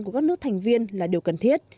của các nước thành viên là điều cần thiết